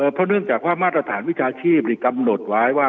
เพราะเนื่องจากว่ามาตรฐานวิชาชีพกำหนดไว้ว่า